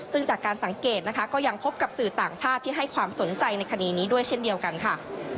ซึ่งจากการสังเกตนะคะก็ยังพบกับสื่อต่างชาติที่ให้ความสนใจในคดีนี้ด้วยเช่นเดียวกันค่ะ